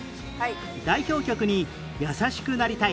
代表曲に『やさしくなりたい』